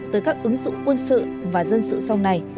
tới các ứng dụng quân sự và dân sự sau này